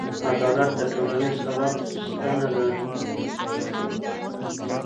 عدالت د ټولنیز ثبات ستنه ده.